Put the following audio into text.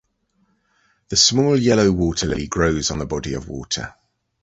The small yellow water lily grows on the body of water.